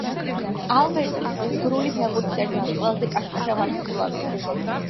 ალბერტი უნგრული ფეხბურთის ერთ-ერთი ყველაზე კაშკაშა ვარსკვლავია.